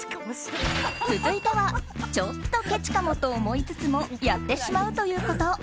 続いてはちょっとけちかもと思いつつもやってしまうということ。